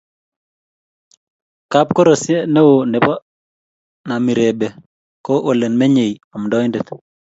kapkorosie neoo nebo Namirebe ko ole menyei amdoindet.